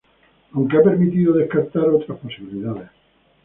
Aunque ha permitido descartar otras posibilidades.